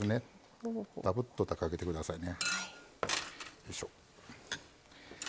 がぶっとかけてくださいね。